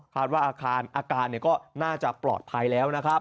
คาดว่าอาการเนี่ยก็น่าจะปลอดภัยแล้วนะครับ